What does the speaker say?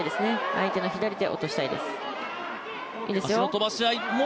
相手の左手を落としたいです。